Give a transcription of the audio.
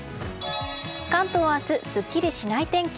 関東明日、すっきりしない天気。